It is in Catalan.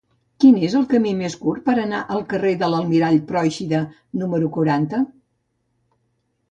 Quin és el camí més curt per anar al carrer de l'Almirall Pròixida número quaranta?